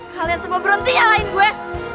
kalian semua berhenti nyalain gue